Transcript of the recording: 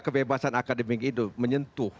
kebebasan akademik itu menyentuh